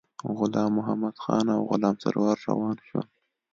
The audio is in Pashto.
غلام محمدخان او غلام سرور روان شول.